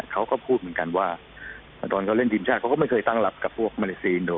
เขาก็พูดเหมือนกันว่าตอนเขาเล่นทีมชาติเขาก็ไม่เคยตั้งรับกับพวกมาเลซีนโดย